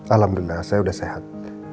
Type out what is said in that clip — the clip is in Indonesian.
alhamdulillah saya udah sehat